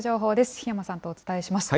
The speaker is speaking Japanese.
檜山さんとお伝えします。